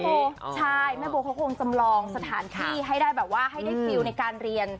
ใช่แม่บัวเค้าคงสำรองสถานที่ให้ได้ความรู้ในการเรียน